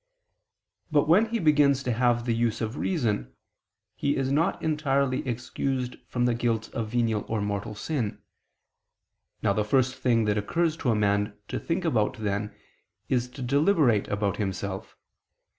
But when he begins to have the use of reason, he is not entirely excused from the guilt of venial or mortal sin. Now the first thing that occurs to a man to think about then, is to deliberate about himself.